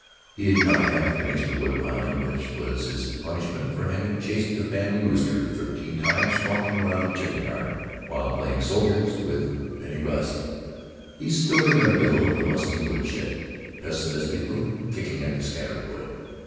He had not half finished the wood piling which was his punishment for having chased the family rooster thirteen times squawking around the chicken yard, while playing soldiers with Bennie Rusk. He stood in the middle of the musty woodshed, pessimistically kicking at the scattered wood.